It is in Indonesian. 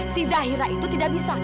si zahira itu tidak bisa